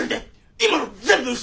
今の全部嘘！